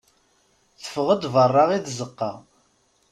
Teffeɣ-d berra i tzeqqa.